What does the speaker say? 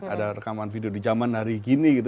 ada rekaman video di zaman hari gini gitu